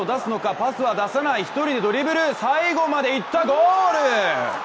パスは出さない、１人でドリブル最後まで行った、ゴール！